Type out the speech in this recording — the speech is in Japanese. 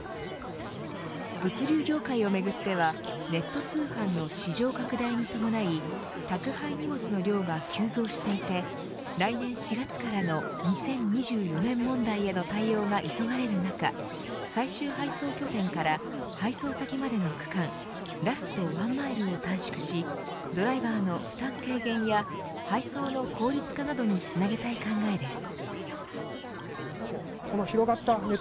物流業界をめぐってはネット通販の市場拡大に伴い宅配荷物の量が急増していて来年４月からの２０２４年問題への対応が急がれる中最終配送拠点から配送先までの区間ラストワンマイルを短縮しドライバーの負担軽減や配送の効率化などにつなげたい考えです。